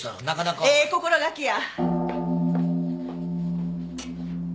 「ええ心掛けや」